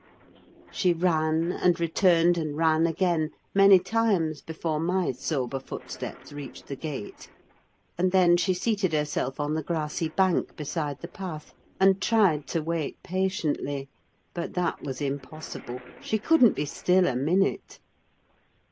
She ran, and returned and ran again, many times before my sober footsteps reached the gate, and then she seated herself on the grassy bank beside the path, and tried to wait patiently; but that was impossible: she couldn't be still a minute.